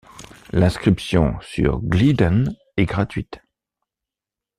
L'inscription sur Gleeden est gratuite.